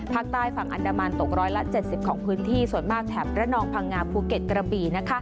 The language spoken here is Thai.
ภาคใต้ฝั่งอันดามันตกร้อยละ๗๐ของพื้นที่ส่วนมากแถบระนองพังงาภูเก็ตกระบี่